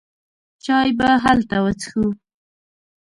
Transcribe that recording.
چای به هلته وڅښو.